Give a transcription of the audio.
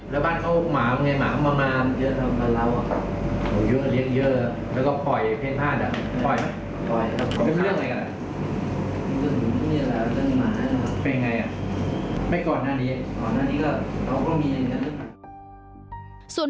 ส่วนมากก็ไม่ได้เค้าเรียกอีกแล้วนะครับ